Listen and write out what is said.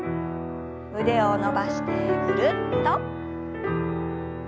腕を伸ばしてぐるっと。